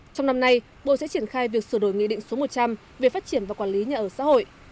trong năm nay bộ sẽ triển khai việc sửa đổi nghị định số một trăm linh về phát triển và quản lý nhà ở xã hội